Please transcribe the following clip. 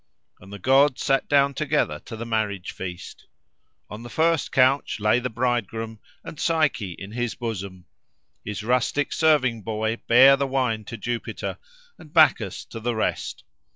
And the gods sat down together to the marriage feast. On the first couch lay the bridegroom, and Psyche in his bosom. His rustic serving boy bare the wine to Jupiter; and Bacchus to the rest.